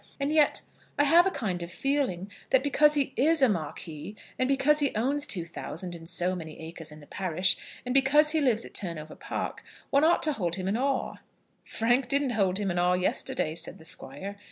And yet I have a kind of feeling that because he is a Marquis, and because he owns two thousand and so many acres in the parish, and because he lives at Turnover Park, one ought to hold him in awe." "Frank didn't hold him in awe yesterday," said the Squire.